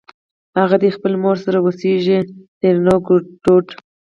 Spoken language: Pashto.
اغه دې خپلې مور سره اوسېږ؛ ترينو ګړدود